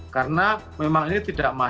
karena memang ini tidak masuk dalam paket